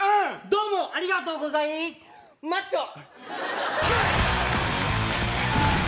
どうもありがとうございマッチョ